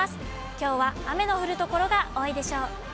きょうは雨の降る所が多いでしょう。